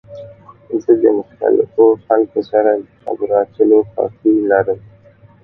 زه د مختلفو خلکو سره د خبرو اترو خوښی لرم.